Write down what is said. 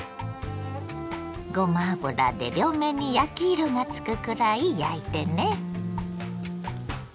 ごま油で両面に焼き色がつくくらい焼いてね。